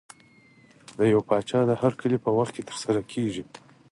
د یو پاچا د هرکلي په وخت کې ترسره کېږي.